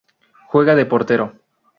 Juega de Portero.